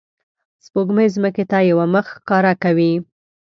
سپوږمۍ ځمکې ته یوه مخ ښکاره کوي